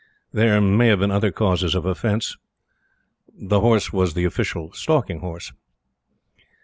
There may have been other causes of offence; the horse was the official stalking horse.